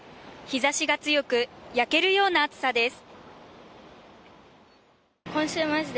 日差しが強く焼けるような暑さです。